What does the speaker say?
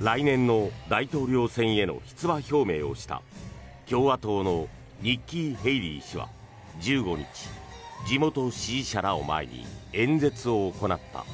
来年の大統領選への出馬表明をした共和党のニッキー・ヘイリー氏は１５日地元支持者らを前に演説を行った。